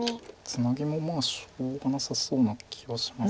ツナギもまあしょうがなさそうな気はしますけど。